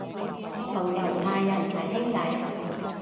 同猶太人係兄弟